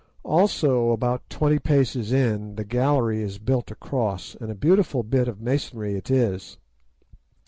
Also, about twenty paces in, the gallery is built across, and a beautiful bit of masonry it is."